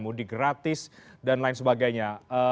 mudik gratis dan lain sebagainya